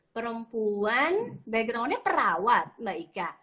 perempuan backgroundnya perawat mbak ika